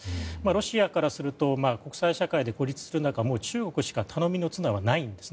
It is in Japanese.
ロシアからすると国際社会で孤立する中中国しか頼みの綱はないんです。